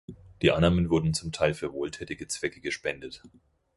Die Einnahmen wurden zum Teil für wohltätige Zwecke gespendet.